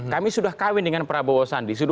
kami sudah kawin dengan prabowo sandi